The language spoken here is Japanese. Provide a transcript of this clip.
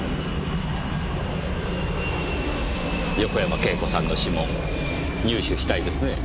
横山慶子さんの指紋入手したいですね。